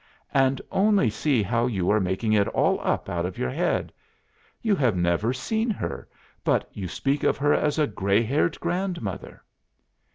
And only see how you are making it all up out of your head. You have never seen her, but you speak of her as a grey haired grandmother.